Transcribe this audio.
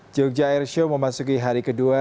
jogja airshow memasuki hari kedua